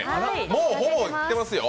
もうほぼ言ってますよ。